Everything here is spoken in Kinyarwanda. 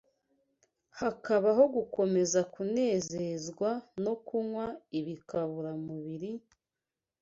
hakabaho gukomeza kunezezwa no kunywa ibikaburamubiri,